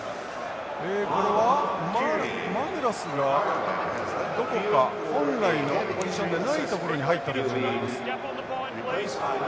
これはマグラスがどこか本来のポジションでないところに入ったということになります。